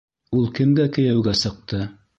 Ул кемгә кейәүгә сыҡты?